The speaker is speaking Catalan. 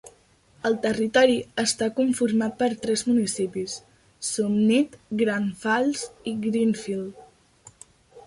El territori està conformat per tres municipis: Summit, Grand Falls i Greenfield.